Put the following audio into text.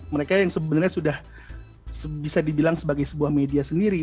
mereka yang sebenarnya sudah bisa dibilang sebagai sebuah media sendiri